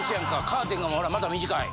カーテンがほらまた短い。